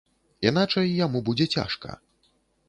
Іначай яму будзе цяжка.